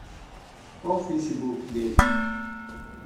Qual o Facebook dele?